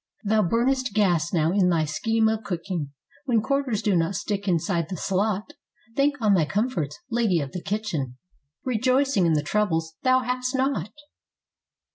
Thou burn'st gas now in thy scheme of cooking, when quarters do not stick inside the slot; Think on thy comforts, lady of the kitchen, rejoicing in the troubles thou hast not.